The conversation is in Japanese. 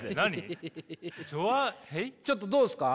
ちょっとどうすか？